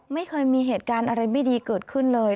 ไม่เคยมีเหตุการณ์อะไรไม่ดีเกิดขึ้นเลย